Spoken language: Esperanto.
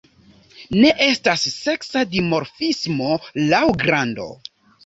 Ne estas seksa dimorfismo laŭ grando.